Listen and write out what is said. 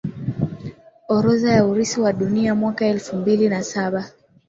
orodha ya urithi wa Dunia Mwaka elfumbili na Saba